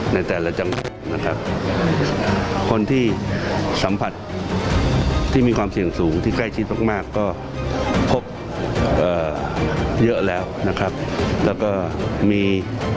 ในแต่ละจังหวัดนะครับคนที่สัมผัสที่มีความเสี่ยงสูงที่ใกล้ชิดมากมากก็พบเยอะแล้วนะครับแล้วก็มี